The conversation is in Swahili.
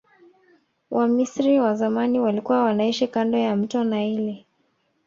wamisri wa zamani walikua wanaishi kando ya mto naili